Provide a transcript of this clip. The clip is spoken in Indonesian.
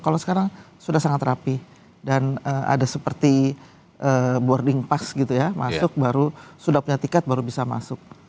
kalau sekarang sudah sangat rapi dan ada seperti boarding pass gitu ya masuk baru sudah punya tiket baru bisa masuk